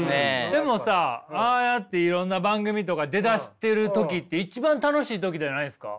でもさああやっていろんな番組とか出だしてる時って一番楽しい時じゃないですか？